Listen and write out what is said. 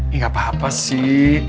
eh gapapa sih